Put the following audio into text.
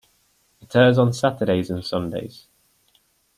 It airs on Saturdays and Sundays.